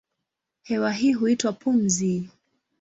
Hewa hii huitwa pumzi.